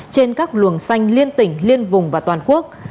trên các luồng xanh liên tỉnh liên vùng và toàn quốc